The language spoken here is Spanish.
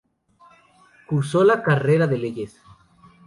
Cursó la carrera de Leyes.